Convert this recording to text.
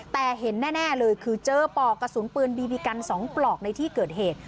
แต่เห็นแน่เลยคือเจอปลอกกระสุนปืนบีบีกัน๒ปลอกในที่เกิดเหตุ